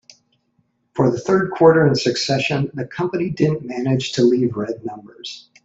For the third quarter in succession, the company didn't manage to leave red numbers.